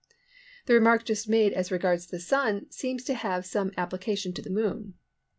The remark just made as regards the Sun seems to have some application to the Moon.